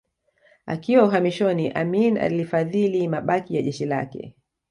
Akiwa uhamishoni Amin alifadhili mabaki ya jeshi lake